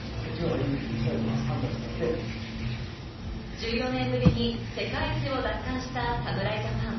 １４年ぶりに世界一を奪還した侍ジャパン。